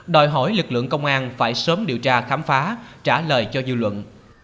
đòi hỏi lực lượng công an phải sớm điều tra khám phá trả lời cho dư luận